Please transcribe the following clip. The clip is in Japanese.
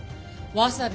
わさび！？